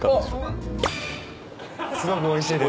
すごくおいしいです。